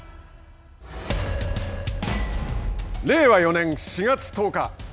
令和４年４月１０日。